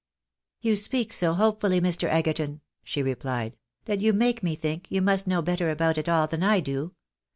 " You speak so hopefully, Mr. Egerton," she replied, " that you make me think you must know better about it all than I do.